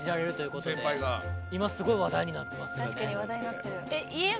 今すごい話題になってますよね。